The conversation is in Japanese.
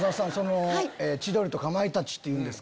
千鳥とかまいたちというんです。